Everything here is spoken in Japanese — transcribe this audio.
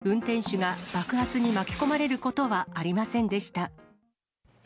男性の素早い救助で、運転手が爆発に巻き込まれることはありませんでした。